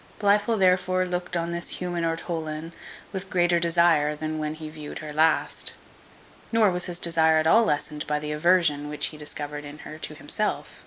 Blifil therefore looked on this human ortolan with greater desire than when he viewed her last; nor was his desire at all lessened by the aversion which he discovered in her to himself.